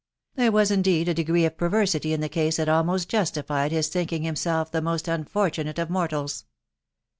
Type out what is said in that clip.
There was, indeed, a degree of perversity in the case that almost justified his thinking himself the most unfortunate of mortals.